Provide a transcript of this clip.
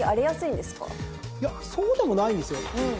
いやそうでもないんですよ。